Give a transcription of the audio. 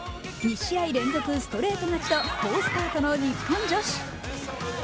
２試合連続ストレート勝ちと好スタートの日本。